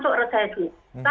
karena di triwunnya